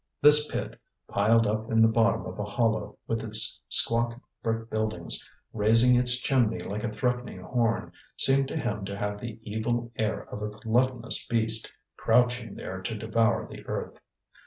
This pit, piled up in the bottom of a hollow, with its squat brick buildings, raising its chimney like a threatening horn, seemed to him to have the evil air of a gluttonous beast crouching there to devour the earth.